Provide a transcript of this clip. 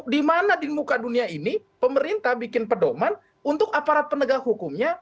dimana di muka dunia ini pemerintah bikin pedoman untuk aparat penegak hukumnya